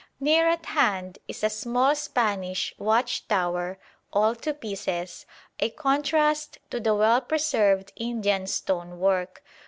Near at hand is a small Spanish watch tower, all to pieces, a contrast to the well preserved Indian stone work.